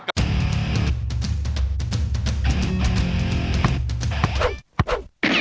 ไม่ได้